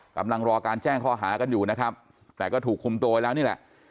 กำลังรอการแจ้งข้อหากันอยู่นะครับแต่ก็ถูกคุมตัวไว้แล้วนี่แหละ